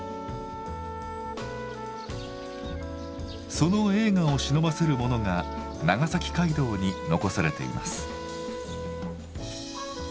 その栄華をしのばせるものが長崎街道に残されています。